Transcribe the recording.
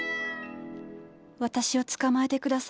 私を捕まえて下さい。